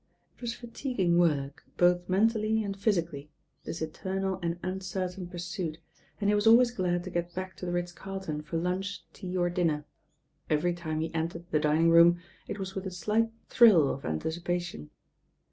It was fatiguing work, both mentally and physi cally, this eternal and uncertain pursuit, and he was always glad to get back to the Ritz Carlton for lunch, tea or dinner. Every time he entered the dining room, it was with a slight thrill of anticipa tion.